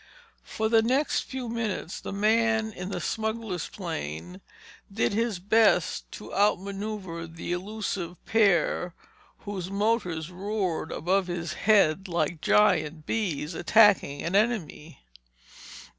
For the next few minutes the man in the smuggler's plane did his best to out maneuver the elusive pair whose motors roared above his head like giant bees attacking an enemy.